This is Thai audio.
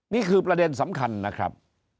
นี่คือประเด็นสำคัญนะครับ